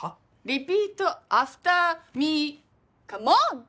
リピートアフターミーカモン！